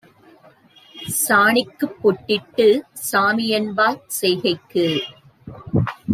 சாணிக்குப் பொட்டிட்டுச் சாமிஎன்பார் செய்கைக்கு